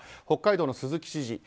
北海道の鈴木知事